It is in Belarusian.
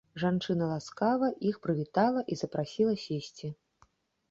Жанчына ласкава іх прывітала і запрасіла сесці.